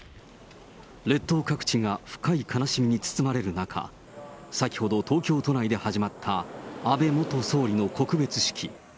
列島各地が深い悲しみに包まれる中、先ほど東京都内で始まった安倍元総理の告別式。